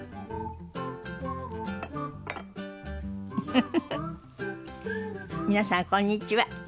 フフフフ皆さんこんにちは。